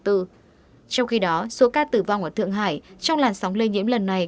trong khi đó số ca tử vong ở thượng hải trong làn sóng lây nhiễm lần này